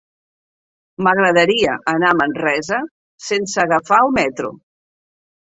M'agradaria anar a Manresa sense agafar el metro.